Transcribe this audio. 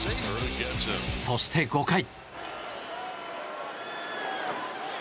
そして５回。